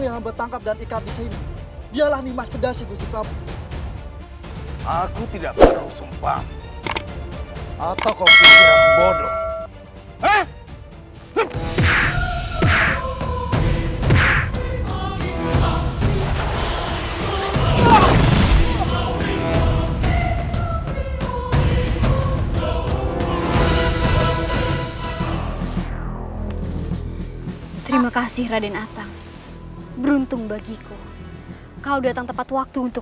ini tidak bisa dibiarkan